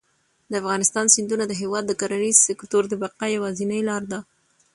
د افغانستان سیندونه د هېواد د کرنیز سکتور د بقا یوازینۍ لاره ده.